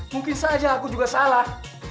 mungkin saja aku juga salah